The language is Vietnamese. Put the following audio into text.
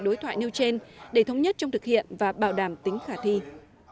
đối thoại nêu trên để thống nhất trong thực hiện và bảo đảm tính khả thi